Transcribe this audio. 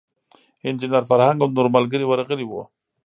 انجینیر فرهنګ او نور ملګري ورغلي وو.